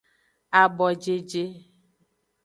Abojeje.